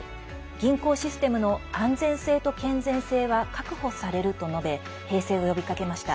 銀行システムの安全性と健全性は確保されると述べ平静を呼びかけました。